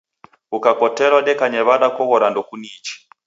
Kukakotelwa dekanye w'ada kughore ndokuniichi.